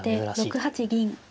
先手６八銀。